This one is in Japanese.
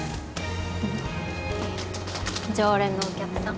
常連のお客さん。